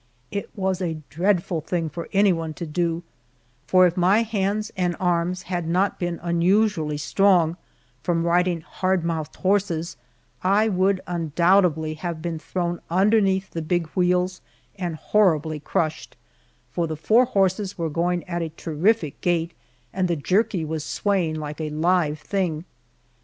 It was a dreadful thing for anyone to do, for if my hands and arms had not been unusually strong from riding hard mouthed horses, I would undoubtedly have been thrown underneath the big wheels and horribly crushed, for the four horses were going at a terrific gait, and the jerky was swaying like a live thing.